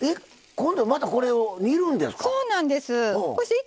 またこれを煮るんですか？